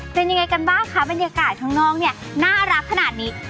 เป็นยังไงกันบ้างคะบรรยากาศข้างนอกเนี่ยน่ารักขนาดนี้